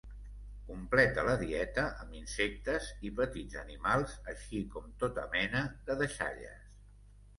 Completa la dieta amb insectes i petits animals així com tota mena de deixalles.